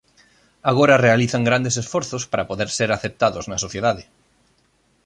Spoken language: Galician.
Agora realizan grandes esforzos para poder ser aceptados na sociedade.